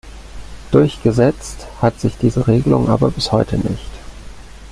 Durchgesetzt hat sich diese Regelung aber bis heute nicht.